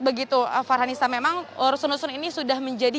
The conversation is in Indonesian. begitu farhanisa memang rusun rusun ini sudah menjadi